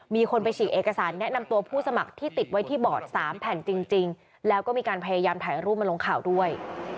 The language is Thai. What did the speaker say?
มีการพยายามถ่ายรูปมันลงข่าวด้วย